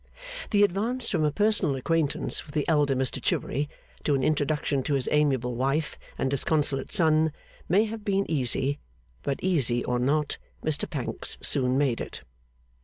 The advance from a personal acquaintance with the elder Mr Chivery to an introduction to his amiable wife and disconsolate son, may have been easy; but easy or not, Mr Pancks soon made it.